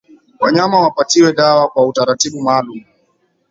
Wanyama wapatiwe dawa kwa utaratibu maalumu